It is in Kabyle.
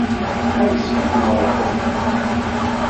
Ad nettekki deg umaraṭun.